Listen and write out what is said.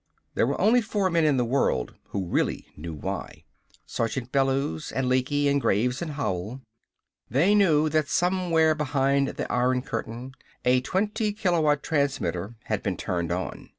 There were only four men in the world who really knew why Sergeant Bellews and Lecky and Graves and Howell. They knew that somewhere behind the Iron Curtain a twenty kilowatt transmitter had been turned on.